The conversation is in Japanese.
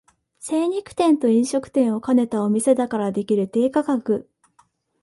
精肉店と飲食店を兼ねたお店だからできる低価格